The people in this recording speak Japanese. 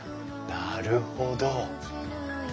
なるほど。